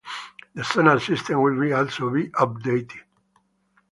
The sonar system will be also be updated.